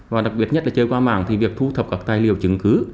và đặc biệt nhất là chơi qua mạng thì việc thu thập các tài liệu chứng cứ